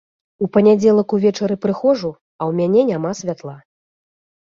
У панядзелак увечары прыходжу, а ў мяне няма святла.